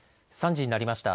３時になりました。